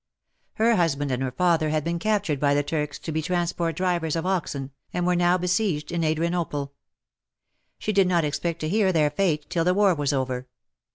Her husband and her father had been captured by the Turks, to be transport drivers of oxen, and were now besieged in Adrianople. She did not expect to hear their fate till the war was over.